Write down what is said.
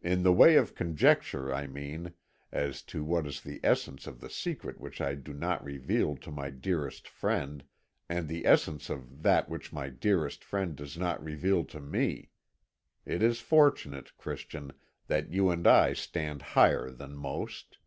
In the way of conjecture I mean as to what is the essence of the secret which I do not reveal to my dearest friend, and the essence of that which my dearest friend does not reveal to me. It is fortunate, Christian, that you and I stand higher than most.